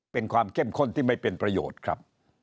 เป็นความเข้มข้นที่ไม่เป็นประโยชน์ครับ